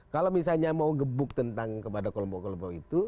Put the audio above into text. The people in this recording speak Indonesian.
kalau misalnya mau gebuk tentang kepada kelompok kelompok itu